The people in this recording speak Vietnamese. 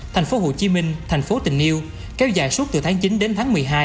tp hcm tp tình yêu kéo dài suốt từ tháng chín đến tháng một mươi hai